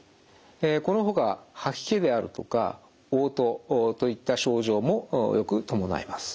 このほか吐き気であるとかおう吐といった症状もよく伴います。